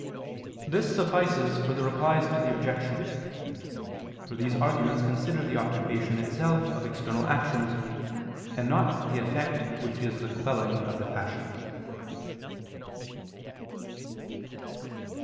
This suffices for the Replies to the Objections; for these arguments consider the occupation itself of external actions, and not the effect which is the quelling of the passions.